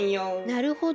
なるほど。